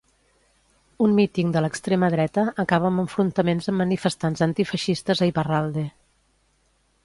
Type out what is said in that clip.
Un míting de l'extrema dreta acaba amb enfrontaments amb manifestants antifeixistes a Iparralde.